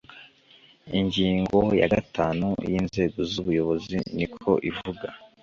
Ingingo ya gatanu y Inzego z Ubuyobozi niko ivuga